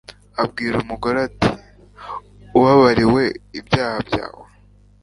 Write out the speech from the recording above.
abwira umugore ati “ubabariwe ibyaha byawe